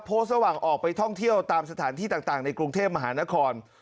ระหว่างออกไปท่องเที่ยวตามสถานที่ต่างในกรุงเทพมหานคร